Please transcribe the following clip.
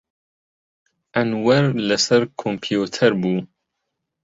ئەنوەر لەسەر کۆمپیوتەر بوو.